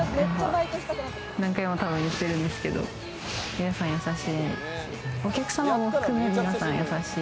何回も言ってるんですけど、皆さん優しい。